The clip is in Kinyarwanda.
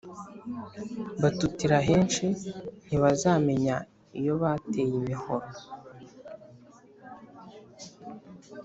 Batutira henshi ntibazamenya iyo bataye imihoro.